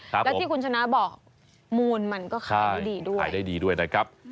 และที่คุณชนะบอกมูลมันก็ขายได้ดีด้วยนะครับ